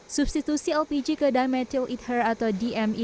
substitusi lpg ke dime till it hurts atau dmi